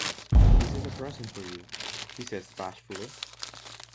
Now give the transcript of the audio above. "This is a present for you," he says bashfully.